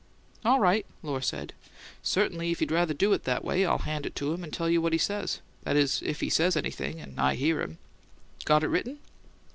"All right," Lohr said. "Certainly if you'd rather do it that way, I'll hand it to him and tell you what he says; that is, if he says anything and I hear him. Got it written?"